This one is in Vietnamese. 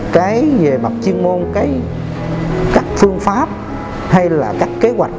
cái về mặt chuyên môn cái các phương pháp hay là các kế hoạch